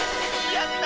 やった！